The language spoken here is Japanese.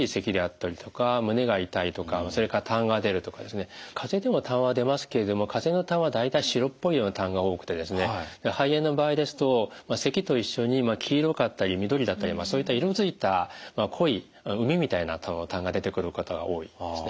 かぜでもたんは出ますけれどもかぜのたんは大体白っぽいようなたんが多くて肺炎の場合ですとせきと一緒に黄色かったり緑だったりそういった色づいた濃いうみみたいなたんが出てくる方が多いですね。